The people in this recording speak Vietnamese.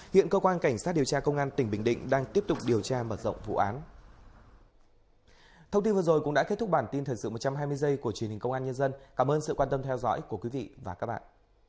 hiện cơ quan cảnh sát điều tra công an tỉnh bình định đang tiếp tục điều tra mở rộng vụ án